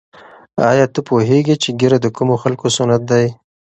آیا ته پوهېږې چې ږیره د کومو خلکو سنت دی؟